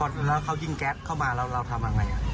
แล้วเขายิงแก๊สเข้ามาแล้วเราทำยังไง